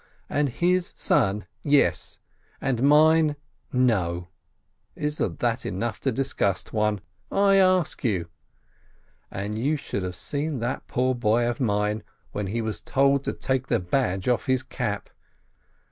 And his son — yes! And mine — no ! Isn't it enough to disgust one, I ask you ! And you should have seen that poor boy of mine, when he was told to take the badge off his cap